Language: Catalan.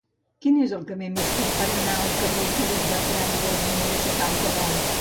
Quin és el camí més curt per anar al carrer de Felip Bertran i Güell número setanta-nou?